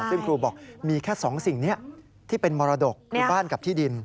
ซึ่งครูบอกมีแค่๒สิ่งนี้ที่เป็นมรดกคือบ้านกับที่ดิน